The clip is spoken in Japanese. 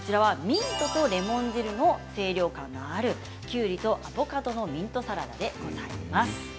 ミントとレモン汁の清涼感のあるきゅうりとアボカドのミントサラダでございます。